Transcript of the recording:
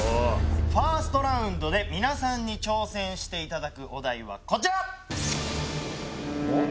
ファーストラウンドで皆さんに挑戦していただくお題はこちら！